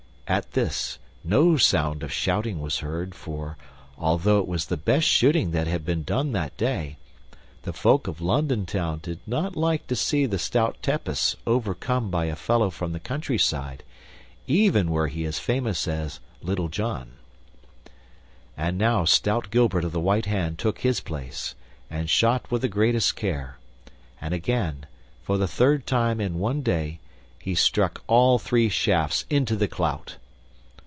At this no sound of shouting was heard, for, although it was the best shooting that had been done that day, the folk of London Town did not like to see the stout Tepus overcome by a fellow from the countryside, even were he as famous as Little John. And now stout Gilbert of the White Hand took his place and shot with the greatest care; and again, for the third time in one day, he struck all three shafts into the clout.